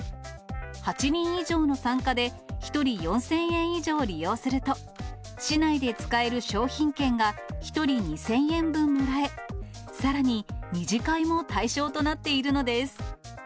８人以上の参加で、１人４０００円以上利用すると、市内で使える商品券が１人２０００円分もらえ、さらに二次会も対象となっているのです。